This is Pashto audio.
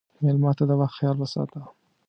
مېلمه ته د وخت خیال وساته.